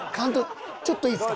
ちょっといいですか？